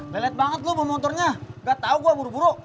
lelet banget lo bawa motornya gak tau gue buru buru